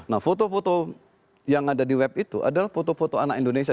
nah foto foto yang ada di web itu adalah foto foto anak indonesia